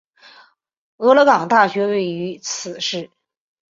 俄勒冈大学位于此市。